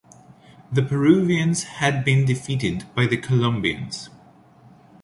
The Peruvians had been defeated by the Colombians.